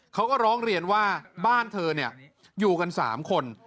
เขาก็ร้องเรียนว่าบ้านเธออยู่กัน๓คน